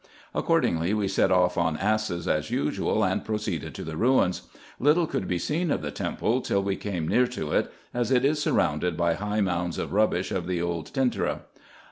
Accordingly, we set off on asses, as usual, and proceeded to the ruins. Little could be seen of the temple, till we came near to it, as it is surrounded by high mounds of rubbish of the old Tentyra.